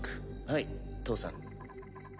はい義父さん。